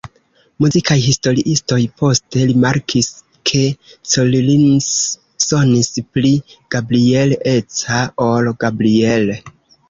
Muzikaj historiistoj poste rimarkis ke Collins sonis "pli Gabriel-eca ol Gabriel".